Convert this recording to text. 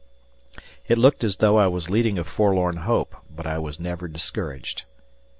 It 1 looked as though I was leading a forlorn hope, but I was never discouraged.